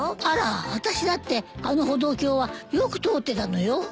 あらあたしだってあの歩道橋はよく通ってたのよ。